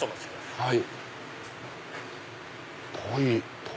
はい。